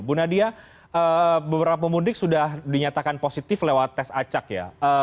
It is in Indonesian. bu nadia beberapa pemudik sudah dinyatakan positif lewat tes acak ya